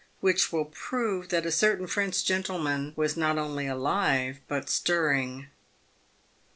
WHICH WILL PROVE THAT A CERTAIN FRENCH GENTLEMAN WAS NOT ONLY ALIVE, BUT STIRRING.